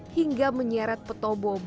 hingga menyeret petobo berkeliling